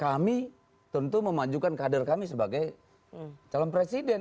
kami tentu memajukan kader kami sebagai calon presiden